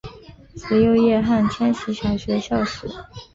慈幼叶汉千禧小学校史